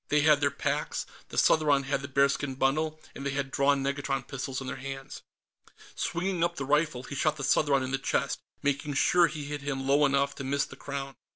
They had their packs, the Southron had the bearskin bundle, and they had drawn negatron pistols in their hands. Swinging up the rifle, he shot the Southron in the chest, making sure he hit him low enough to miss the Crown.